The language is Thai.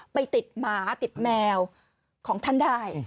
ไปติดหมาติดแมวของท่านได้